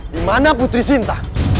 di mana putri sinta